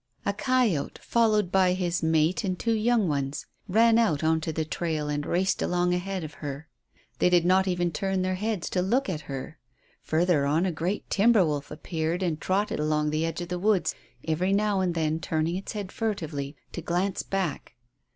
A coyote followed by his mate and two young ones ran out on to the trail and raced along ahead of her. They did not even turn their heads to look at her. Further on a great timber wolf appeared and trotted along the edge of the woods, every now and then turning its head furtively to glance back.